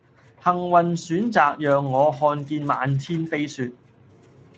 幸運選擇讓我看見漫天飛雪